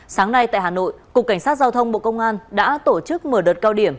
sáng nay tại hà nội cục cảnh sát giao thông bộ công an đã tổ chức mở đợt cao điểm